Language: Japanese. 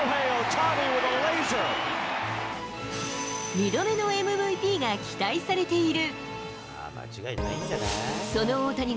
２度目のＭＶＰが期待されている。